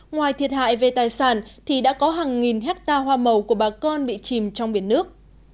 ngoài thiệt hại về tài sản thì đã có hàng nghìn hectare hoa màu của bà con bị chìm trong biển nước